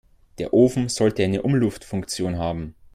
Der Ofen sollte eine Umluftfunktion haben.